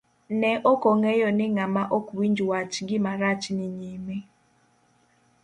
Ne okong'eyo ni ng'ama ok winj wach, gima rach ni nyime.